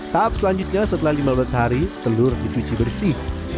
tahap selanjutnya setelah lima belas hari telur dicuci bersih